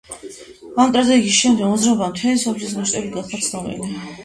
ამ ტრაგედიის შემდეგ მოძრაობა მთელი მსოფლიოს მასშტაბით გახადა ცნობილი.